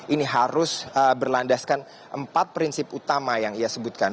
ini harus berlandaskan empat prinsip utama yang ia sebutkan